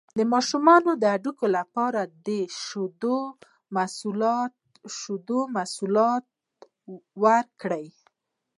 د ماشوم د هډوکو لپاره د شیدو محصولات ورکړئ